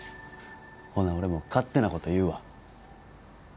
ほな俺も勝手なこと言うわ。